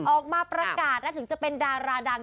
ออกมาประกาศนะถึงจะเป็นดาราดัง